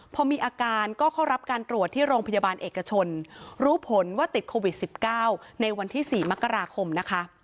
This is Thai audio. พอมีอาการก็เข้ารับการตรวจที่โรงพยาบาลเอกชนรู้ผลว่าติดโควิด๑๙ในวันที่๔มกราคมนะคะ